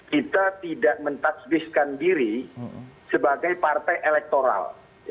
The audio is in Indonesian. kita tidak men touch base kan diri sebagai partai elektoral